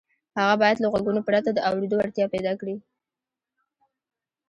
هغه باید له غوږونو پرته د اورېدو وړتیا پیدا کړي